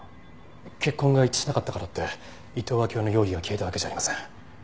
血痕が一致しなかったからって伊東暁代の容疑が消えたわけじゃありません。